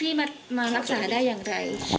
นี่มารักษาได้อย่างไร